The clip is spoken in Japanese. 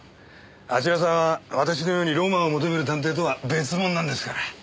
あちらさんは私のようにロマンを求める探偵とは別物なんですから。